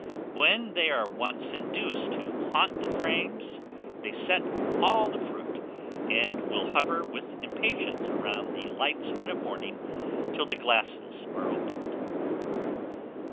When they are once induced to haunt the frames, they set all the fruit, and will hover with impatience round the lights in a morning till the glasses are opened.